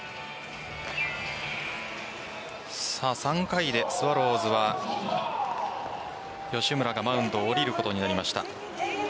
３回でスワローズは吉村がマウンドを降りることになりました。